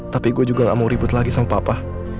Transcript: tapi gue juga gak mau ribut lagi sang papa